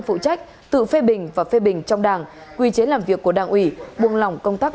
phụ trách tự phê bình và phê bình trong đảng quy chế làm việc của đảng ủy buông lỏng công tác